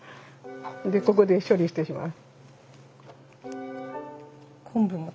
でここで処理してしまう。